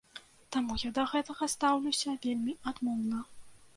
Таму я да гэтага стаўлюся вельмі адмоўна.